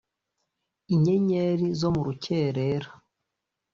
Inyenyeri zo mu rukerera